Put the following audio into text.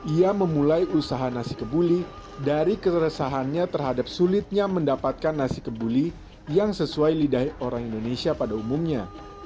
ia memulai usaha nasi kebuli dari keresahannya terhadap sulitnya mendapatkan nasi kebuli yang sesuai lidah orang indonesia pada umumnya